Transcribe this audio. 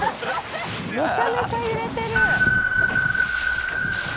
めちゃめちゃ揺れてる。